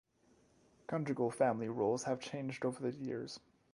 Conjugal family roles have changed over the years.